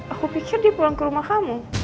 aku pikir dia pulang ke rumah kamu